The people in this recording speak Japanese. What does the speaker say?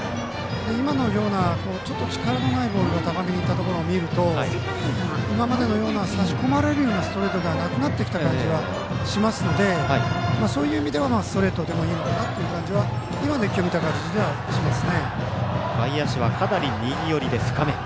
今のような力のないボールが高めにいったところを見ると今までのような差し込まれるようなストレートではなくなってきた感じがしますのでそういう意味ではストレートでもいいのかなと今の１球を見た感じではします。